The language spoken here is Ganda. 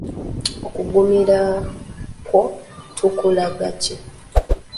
Okuggumira kwo tukulaga ki?